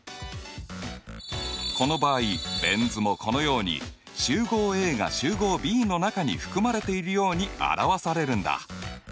この場合ベン図もこのように集合Ａが集合Ｂの中に含まれているように表されるんだ。